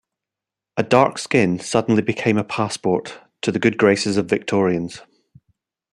A dark skin suddenly became a passport to the good graces of Victorians.